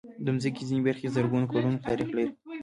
د مځکې ځینې برخې د زرګونو کلونو تاریخ لري.